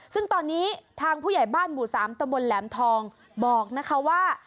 ซึ่งตอนนี้ทางผู้ใหญ่บ้านหมู่๓ตะบนแหลมทองบอกนะคะว่า